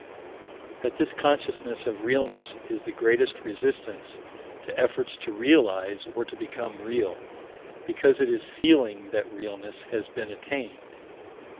But this consciousness of realness is the greatest resistance to efforts to realize or to become real because it is feeling that realness has been attained.